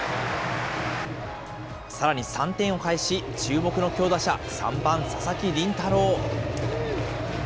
さらに３点を返し、注目の強打者、３番佐々木麟太郎。